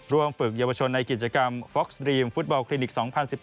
ฝึกเยาวชนในกิจกรรมฟ็อกซ์ดรีมฟุตบอลคลินิก๒๐๑๘